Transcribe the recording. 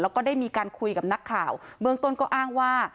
แล้วก็ได้มีการคุยกับนักข่าวเบื้องต้นก็อ้างว่า